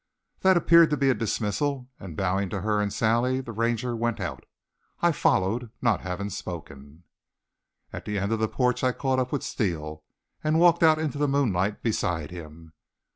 That appeared to be a dismissal, and, bowing to her and Sally, the Ranger went out. I followed, not having spoken. At the end of the porch I caught up with Steele and walked out into the moonlight beside him.